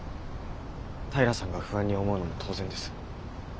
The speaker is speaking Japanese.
平さんが不安に思うのも当然です。